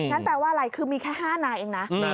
แปลว่าอะไรคือมีแค่๕นายเองนะ